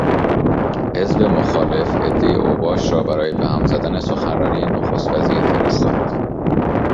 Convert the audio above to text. حزب مخالف عدهای اوباش را برای بهم زدن سخنرانی نخستوزیر فرستاد.